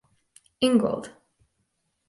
Ingold.